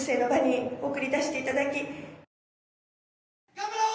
頑張ろう！